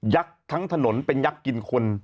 ักษ์ทั้งถนนเป็นยักษ์กินคน